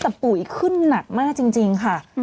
แต่ปุ๋ยขึ้นหนักมากจริงค่ะ